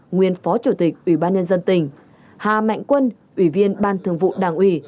nguyên phó chủ tịch ủy ban nhân dân tỉnh hà mạnh quân ủy viên ban thường vụ đảng ủy